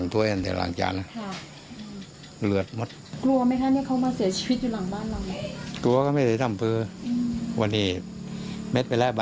ก็เลยก็แค่มีท่านมาครับ